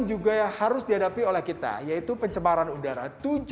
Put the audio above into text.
juga yang harus dihadapi oleh kita yaitu pencemaran udara